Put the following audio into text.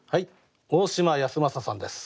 大島康正さんです。